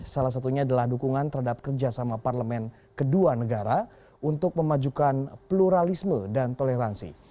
salah satunya adalah dukungan terhadap kerjasama parlemen kedua negara untuk memajukan pluralisme dan toleransi